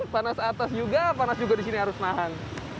panas atas juga panas juga di sini harus nahan